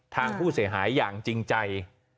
ทางผู้เสียหายอย่างจริงใจ